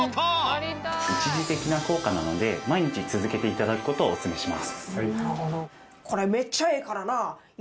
一時的な効果なので毎日続けて頂く事をおすすめします。